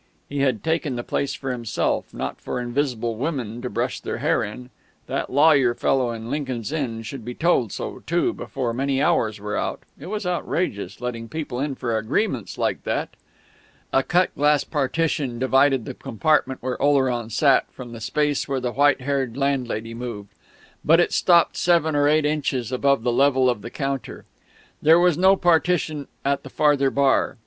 He had taken the place for himself, not for invisible women to brush their hair in; that lawyer fellow in Lincoln's Inn should be told so, too, before many hours were out; it was outrageous, letting people in for agreements like that! A cut glass partition divided the compartment where Oleron sat from the space where the white haired landlady moved; but it stopped seven or eight inches above the level of the counter. There was no partition at the farther bar.